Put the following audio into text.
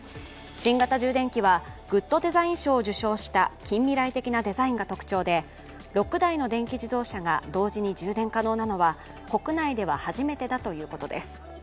新型充電器は、グッドデザイン賞を受賞した近未来的なデザインが特徴で６台の電気自動車が同時に充電可能なのは、国内で初めてだということです。